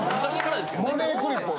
マネークリップを。